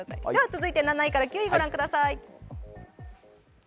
続いて７位から９位御覧ください。